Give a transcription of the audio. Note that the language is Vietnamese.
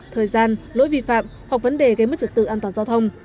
thời gian lỗi vi phạm hoặc vấn đề gây mất trật tự an toàn giao thông